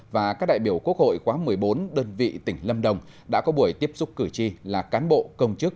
và các đại biểu quốc hội quá một mươi bốn đơn vị tỉnh lâm đồng đã có buổi tiếp xúc cử tri là cán bộ công chức